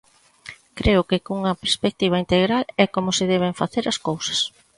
Creo que cunha perspectiva integral é como se deben facer as cousas.